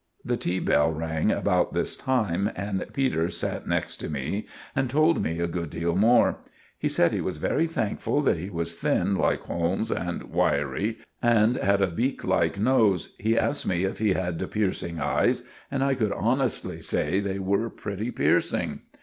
The tea bell rang about this time, and Peters sat next to me and told me a good deal more. He said he was very thankful that he was thin, like Holmes, and wiry, and had a beak like nose. He asked me if he had piercing eyes; and I could honestly say that they were pretty piercing.